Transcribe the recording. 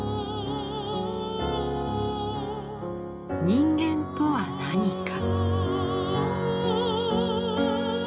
人間とは何か。